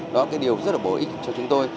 đó là cái điều rất là bổ ích cho chúng tôi